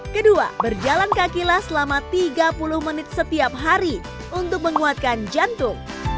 kedua berjalan kakilah selama tiga puluh menit setiap hari untuk menguatkan jantung